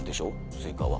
スイカは。